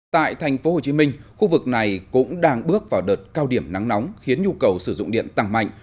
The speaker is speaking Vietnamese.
tại tp hcm khu vực này cũng đang bước vào đợt cao điểm nắng nóng khiến nhu cầu sử dụng điện tăng mạnh